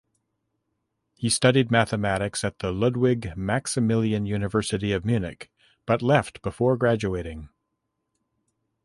He studied mathematics at the Ludwig Maximilian University of Munich but left before graduating.